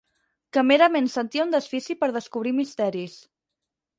Que merament sentia un desfici per descobrir misteris.